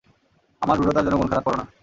আমার রূঢ়তার জন্য মন খারাপ কর না।